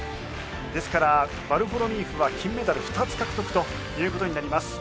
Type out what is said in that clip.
ですからヴァルフォロミーフは金メダル２つ獲得という事になります。